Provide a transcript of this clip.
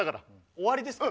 終わりですか？